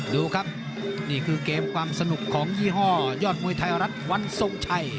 ดูครับนี่คือเกมความสนุกของยี่ห้อยอดมวยไทยรัฐวันทรงชัย